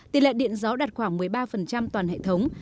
tỷ lệ điện gió đạt khoảng một mươi ba toàn hệ thống